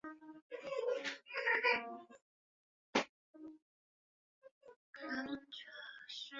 崎京线的运行系统通称。